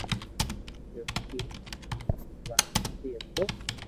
جو روگي ڀآيارتي ھتو